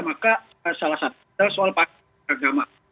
maka salah satu adalah soal paham agama